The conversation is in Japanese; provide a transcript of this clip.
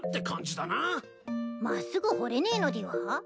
真っすぐ掘れねえのでぃは？